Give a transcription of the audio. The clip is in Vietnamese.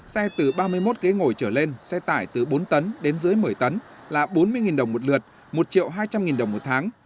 xe từ ba mươi một ghế ngồi trở lên xe tải từ bốn tấn đến dưới một mươi tấn là bốn mươi đồng một lượt một hai trăm linh đồng một tháng